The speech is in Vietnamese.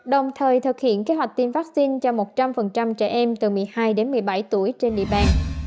đồng thời thực hiện kế hoạch tiêm vaccine cho một trăm linh trẻ em từ một mươi hai đến một mươi bảy tuổi trên địa bàn